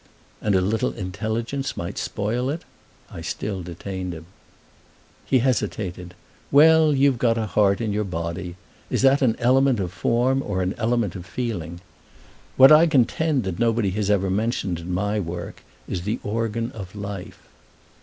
"And a little intelligence might spoil it?" I still detained him. He hesitated. "Well, you've got a heart in your body. Is that an element of form or an element of feeling? What I contend that nobody has ever mentioned in my work is the organ of life."